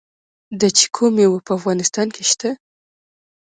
د چیکو میوه په افغانستان کې شته؟